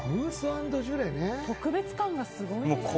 特別感がすごいですね。